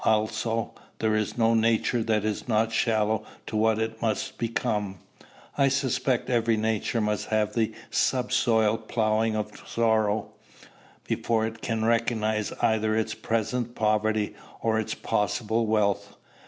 Also, there is no nature that is not shallow to what it must become. I suspect every nature must have the subsoil ploughing of sorrow, before it can recognize either its present poverty or its possible wealth.